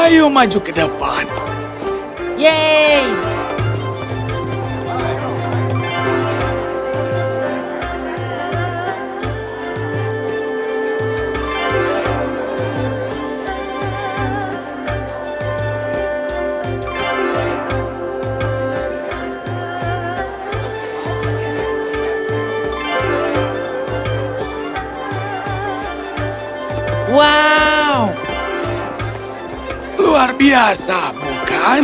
luar biasa bukan